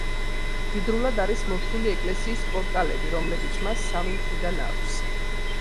მდიდრულად არის მორთული ეკლესიის პორტალები, რომლებიც მას სამი მხრიდან აქვს.